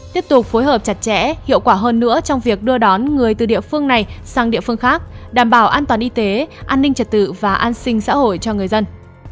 tiếp tục phối hợp chặt chẽ hiệu quả hơn nữa trong việc đưa đón người từ địa phương này sang địa phương khác đảm bảo an toàn y tế an ninh trật tự và an sinh xã hội cho người dân